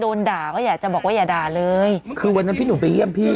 โดนด่าก็อยากจะบอกว่าอย่าด่าเลยคือวันนั้นพี่หนุ่มไปเยี่ยมพี่